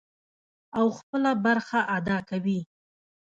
او خپله برخه ادا کوي.